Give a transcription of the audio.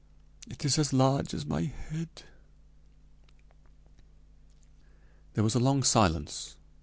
It is as large as my head !" There was a long silence.